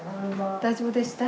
大丈夫でした？